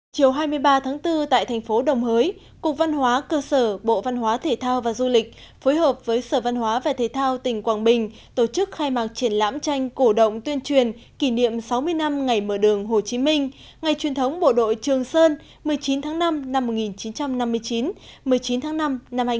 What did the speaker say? chiều hai mươi ba tháng bốn tại thành phố đồng hới cục văn hóa cơ sở bộ văn hóa thể thao và du lịch phối hợp với sở văn hóa và thể thao tỉnh quảng bình tổ chức khai mạc triển lãm tranh cổ động tuyên truyền kỷ niệm sáu mươi năm ngày mở đường hồ chí minh ngày truyền thống bộ đội trường sơn một mươi chín tháng năm năm một nghìn chín trăm năm mươi chín một mươi chín tháng năm năm hai nghìn một mươi